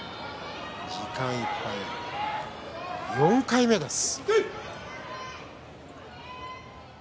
時間いっぱい４回目です。